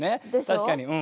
確かに。